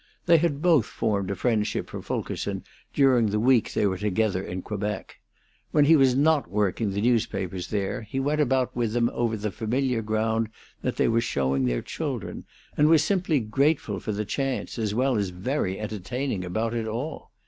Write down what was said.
They had both formed a friendship for Fulkerson during the week they were together in Quebec. When he was not working the newspapers there, he went about with them over the familiar ground they were showing their children, and was simply grateful for the chance, as well as very entertaining about it all.